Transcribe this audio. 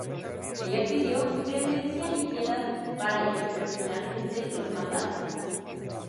Ella pidió clemencia y piedad para ellos, pero finalmente los mataron.